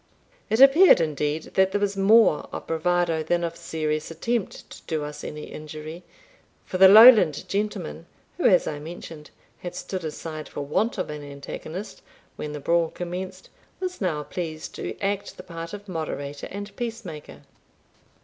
It appeared, indeed, that there was more of bravado than of serious attempt to do us any injury; for the Lowland gentleman, who, as I mentioned, had stood aside for want of an antagonist when the brawl commenced, was now pleased to act the part of moderator and peacemaker.